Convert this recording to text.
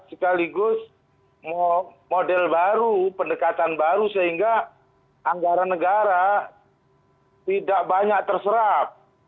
sekaligus model baru pendekatan baru sehingga anggaran negara tidak banyak terserap